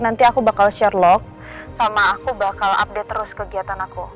nanti aku bakal share love sama aku bakal update terus kegiatan aku